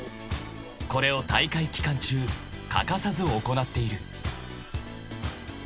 ［これを大会期間中欠かさず行っている］